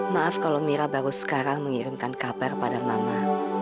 maaf kalau mira baru sekarang mengirimkan kabar pada mama